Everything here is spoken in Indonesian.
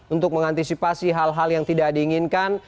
untuk mengantisipasi hal hal yang tidak diinginkan